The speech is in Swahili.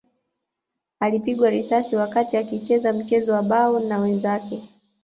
Alipigwa risasi wakati akicheza mchezo wa bao na wenzake